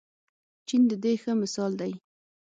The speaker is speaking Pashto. چین د دې ښه مثال دی.